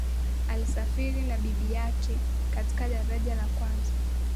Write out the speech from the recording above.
alisafiri na bibi yake katika daraja la kwanza